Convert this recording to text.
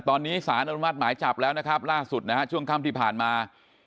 ตอนนี้สารอนุมัติหมายจับแล้วนะครับล่าสุดนะฮะช่วงค่ำที่ผ่านมา